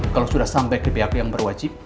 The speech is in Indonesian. kalau sudah sampai ke bap yang berwajib